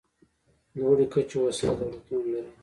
لوړې کچې هوسا دولتونه لري.